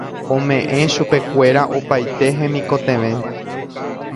ome'ẽ chupekuéra opaite hemikotevẽ